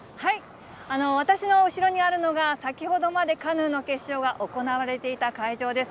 私の後ろにあるのが、先ほどまでカヌーの決勝が行われていた会場です。